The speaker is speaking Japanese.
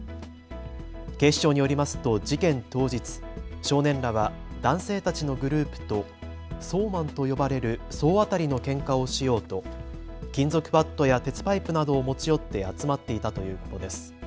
警視庁によりますと事件当日、少年らは男性たちのグループと総マンと呼ばれる総当たりのけんかをしようと金属バットや鉄パイプなどを持ち寄って集まっていたということです。